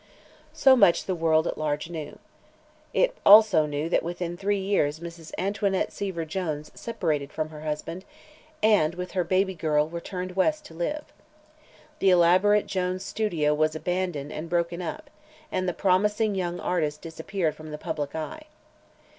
So much the world at large knew. It also knew that within three years Mrs. Antoinette Seaver Jones separated from her husband and, with her baby girl, returned West to live. The elaborate Jones studio was abandoned and broken up and the "promising young artist" disappeared from the public eye.